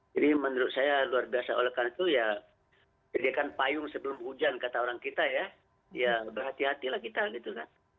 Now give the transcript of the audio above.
jadi menurut saya luar biasa olehkan itu ya jadi kan payung sebelum hujan kata orang kita ya ya berhati hatilah kita gitu kan